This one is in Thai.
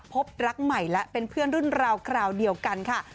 พบรักใหม่และเป็นเพื่อนรุ่นราวคราวเดียวกันค่ะ